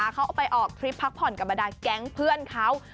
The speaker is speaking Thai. เขาไปออกทริปพักผ่อนกับบรรดาแก๊งเพื่อนเขา